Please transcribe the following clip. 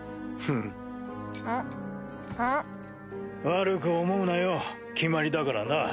悪く思うなよ決まりだからな。